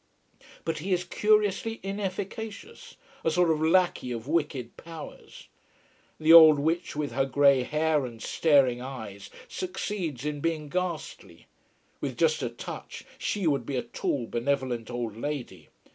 But he is curiously inefficacious: a sort of lackey of wicked powers. The old witch with her grey hair and staring eyes succeeds in being ghastly. With just a touch, she would be a tall, benevolent old lady.